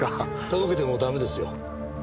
とぼけても駄目ですよ。